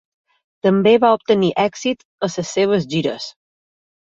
També va obtenir èxit en les seves gires.